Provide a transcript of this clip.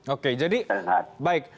oke jadi baik